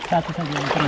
satu saja yang terbesar